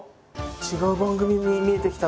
違う番組に見えてきたぞ。